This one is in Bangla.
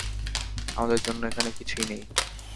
আমাদের জন্য এখানে কিছুই নেই।